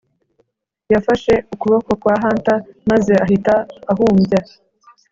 yafashe ukuboko kwa hunter maze ahita ahumbya